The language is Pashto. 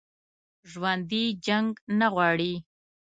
ژوندي جنګ نه غواړي